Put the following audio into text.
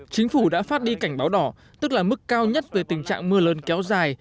chính phủ đã phát đi cảnh báo đỏ tức là mức cao nhất về tình trạng mưa lớn kéo dài